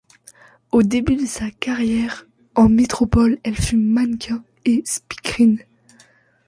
Au début de sa carrière en métropole, elle fut mannequin et speakerine.